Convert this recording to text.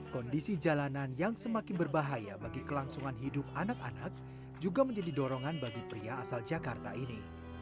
kondisi jalanan yang semakin berbahaya bagi kelangsungan hidup anak anak juga menjadi dorongan bagi pria asal jakarta ini